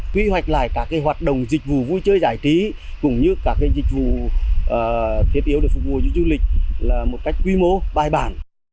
quy hoạch lại các hoạt động dịch vụ vui chơi giải trí cũng như các dịch vụ thiết yếu để phục vụ cho du lịch là một cách quy mô bài bản